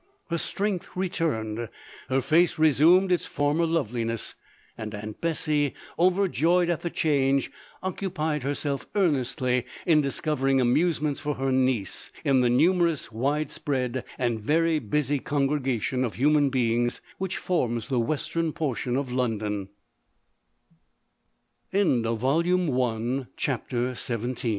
Her strength returned — her face resumed its former loveliness; and aunt Bessy, overjoyed at the change, occupied herself earnestly in discover ing amusements for her niece in the numerous, wide spread, and very busy congregation of human beings, which forms the western port